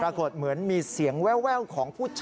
ปรากฏเหมือนมีเสียงแว่วของผู้ชายดำขึ้นมานิดหนึ่ง